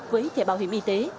với thẻ bảo hiểm y tế